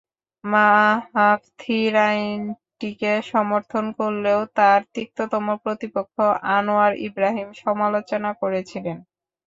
Mahathir আইনটিকে সমর্থন করলেও তাঁর তিক্ততম প্রতিপক্ষ আনোয়ার ইব্রাহিম সমালোচনা করেছিলেন।